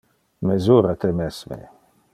Mesura te mesme.